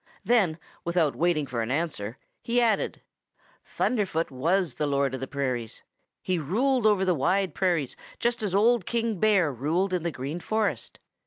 Then without waiting for an answer he added: "Thunderfoot was the Lord of the Prairies. He ruled over the Wide Prairies just as Old King Bear ruled in the Green Forest.